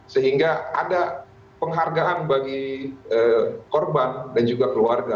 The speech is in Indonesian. sehingga ada penghargaan bagi korban dan juga keluarga